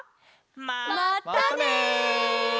またね！